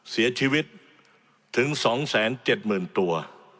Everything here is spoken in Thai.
เสียชีวิตถึง๒๗๐๐๐ตัว